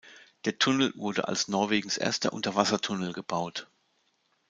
Der Tunnel wurde als Norwegens erster Unterwassertunnel gebaut.